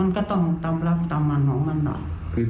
มันก็ต้องตามรับตามมันของมันแหละ